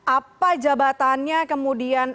apa jabatannya kemudian